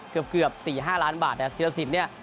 เกือบ๔๕ล้านบาทแต่ธีรสินเนี่ย